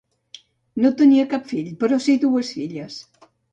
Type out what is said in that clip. No tenia cap fill, però sí dues filles.